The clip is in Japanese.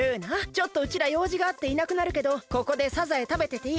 ちょっとうちらようじがあっていなくなるけどここでサザエたべてていいから！